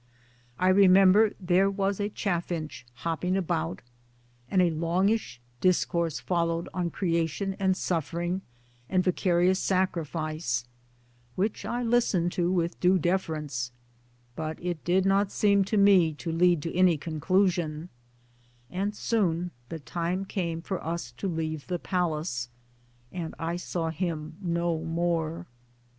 I remember there was a chaffinch hopping about, and a longish discourse followed on creation and suffer ing and vicarious sacrifice, which I listened to with due deference ; but it did not seem to me to lead to any conclusion ; and soon the time came for us to leave the palace, and I saw him no more.